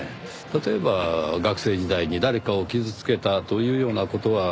例えば学生時代に誰かを傷つけたというような事は？